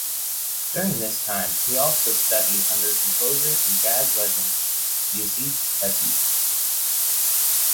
During this time, he also studied under composer and jazz legend, Yusef Lateef.